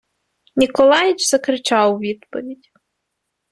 Ніколаіч закричав у відповідь.